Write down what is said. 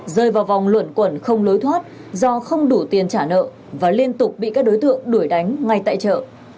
rơi vào vòng luận quẩn không lối thoát do không đủ tiền trả nợ và liên tục bị các đối tượng đuổi đánh ngay tại chợ